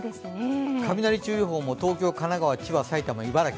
雷注意報、東京、神奈川、千葉、埼玉、茨城。